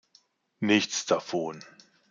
Nichts davon.